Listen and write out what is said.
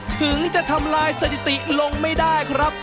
ถึงจะทำลายสถิติลงไม่ได้ครับ